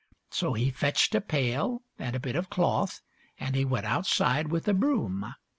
So he fetched a pail, and a bit of cloth, And he went outside with a broom.